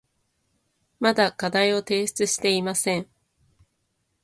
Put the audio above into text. まだ課題を提出していません。